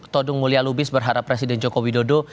todung mulia lubis berharap presiden joko widodo